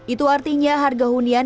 itu artinya harga hunian